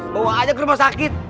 bawa aja ke rumah sakit